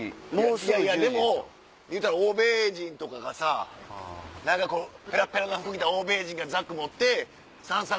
いやいやでもいうたら欧米人とかがさ何かペラッペラな服着た欧米人がザック持って散策